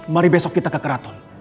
mari besok kita ke keraton